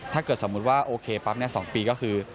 ถ้าเกิดสมมุติว่าโอเคปั๊บ๒ปีก็คือ